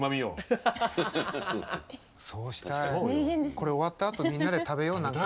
これ終わったあとみんなで食べよう何か。